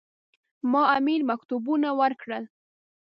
ما امیر مکتوبونه ورکړل.